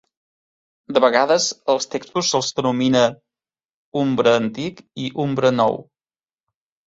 De vegades, als textos se'ls denomina Umbre Antic i Umbre Nou.